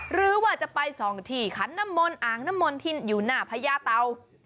หรือว่าจะไปส่องที่ขันน้ำมนต์อ่างน้ำมนที่อยู่หน้าพญาเตา